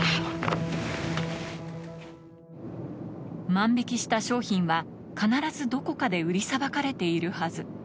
万引きした商品は必ずどこかで売りさばかれているはず